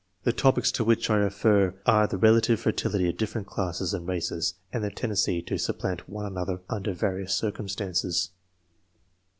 The topics to which I refer are the relative fertility of different classes and races, and their tendency to supplant one another under various circumstances.